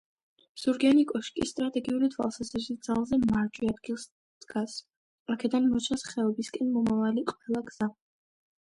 ზურგიანი კოშკი სტრატეგიული თვალსაზრისით ძალზე მარჯვე ადგილას დგას, აქედან მოჩანს ხეობისკენ მომავალი ყველა გზა.